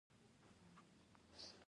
مصنوعي ځیرکتیا د باور نوې بڼې رامنځته کوي.